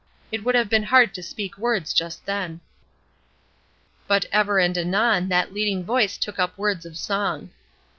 It would have been hard to speak words just then. But ever and anon that leading voice took up words of song.